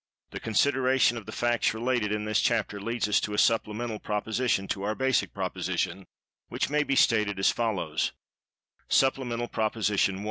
The consideration of the facts related in this chapter, leads us to a supplemental proposition[Pg 170] to our Basic Proposition, which may be stated as follows: Supplemental Proposition I.